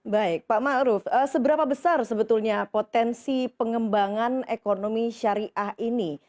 baik pak ma'ruf seberapa besar sebetulnya potensi pengembangan ekonomi syariah ini